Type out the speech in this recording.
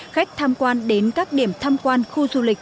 khách tham quan đến các điểm tham quan khu du lịch